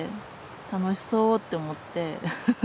楽しそうって思って。